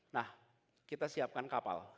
nah kita siapkan kapal